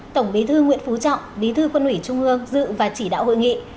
tổng bí thư nguyễn phú trọng bí thư quân ủy trung ương dự và chỉ đạo hội nghị